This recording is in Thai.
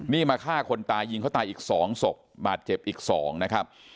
นี่มาฆ่าคนตายยิงเขาตายอีก๒ศพบาดเจ็บอีก๒นะครับ